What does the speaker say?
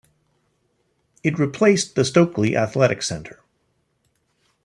It replaced the Stokely Athletic Center.